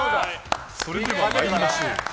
それでは参りましょう。